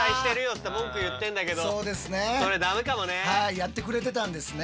やってくれてたんですね。